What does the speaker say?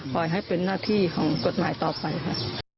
ปล่อยให้เป็นหน้าที่ของกฎหมายต่อไปค่ะ